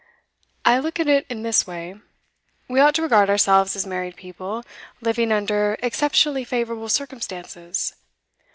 'I look at it in this way. We ought to regard ourselves as married people living under exceptionally favourable circumstances.